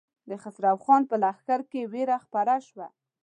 د خسرو خان په لښکر کې وېره خپره شوه.